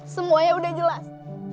semuanya udah jelas